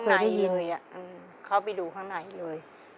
ในเลยเข้าไปดูข้างในเลย